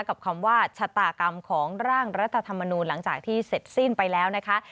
คำว่าชะตากรรมของร่างรัฐธรรมนูลหลังจากที่เสร็จสิ้นไปแล้วนะคะ